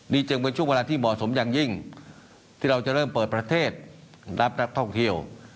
นี่จึงเป็นช่วงเวลาที่เหมาะสมอย่างยิ่งที่เราจะเริ่มเปิดประเทศรับนักท่องเที่ยว